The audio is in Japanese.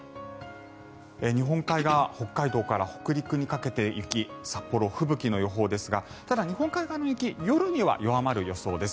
日本海側北海道から北陸にかけて雪札幌、吹雪の予報ですが日本海側の雪夜には弱まる予想です。